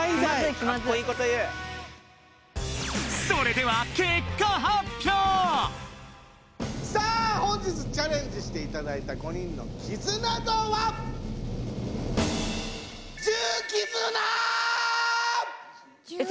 それではさあ本日チャレンジしていただいたえ